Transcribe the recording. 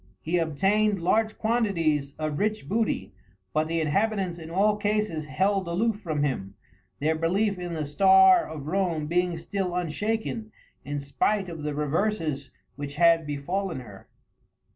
He obtained large quantities of rich booty, but the inhabitants in all cases held aloof from him, their belief in the star of Rome being still unshaken in spite of the reverses which had befallen her.